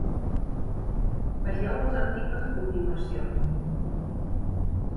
Vegeu els articles a continuació.